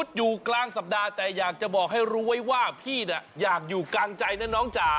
อยู่กลางสัปดาห์แต่อยากจะบอกให้รู้ไว้ว่าพี่น่ะอยากอยู่กลางใจนะน้องจ๋า